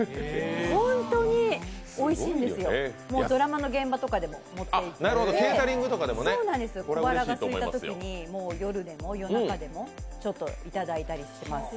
本当に美味しいんですよ、ドラマの現場とかにも持っていって小腹がすいたときに夜中でもちょっといただいたりしてます。